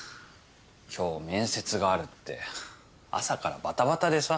今日面接があるって朝からばたばたでさ。